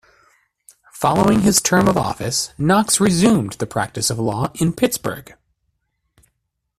Following his term of office, Knox resumed the practice of law in Pittsburgh.